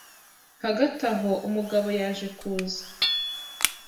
Hagati aho umugabo yaje kuza